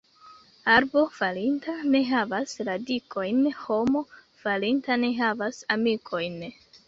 Arbo falinta ne havas radikojn, homo falinta ne havas amikojn.